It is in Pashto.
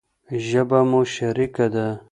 ژبه مو شريکه ده.